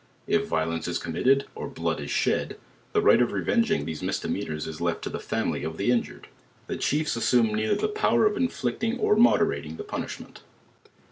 If violence is committed, or 11 od is shed, the right of revenging these misdemeanors is left to ihe family of the injured: the chiefs assume neither the power of inflicting or moderating the punishment.